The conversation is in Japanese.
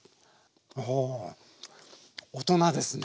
お大人ですね。